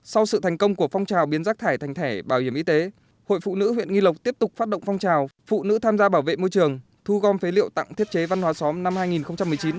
sau sự thành công của phong trào biến rác thải thành thẻ bảo hiểm y tế hội phụ nữ huyện nghi lộc tiếp tục phát động phong trào phụ nữ tham gia bảo vệ môi trường thu gom phế liệu tặng thiết chế văn hóa xóm năm hai nghìn một mươi chín